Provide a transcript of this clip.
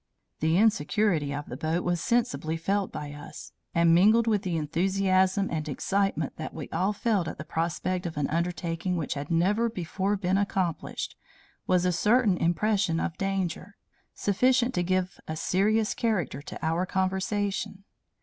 The insecurity of the boat was sensibly felt by us; and mingled with the enthusiasm and excitement that we all felt at the prospect of an undertaking which had never before been accomplished was a certain impression of danger, sufficient to give a serious character to our conversation.